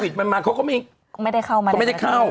เขาก็ไม่ได้เข้า